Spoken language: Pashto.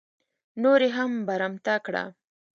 نور یې هم برمته کړه.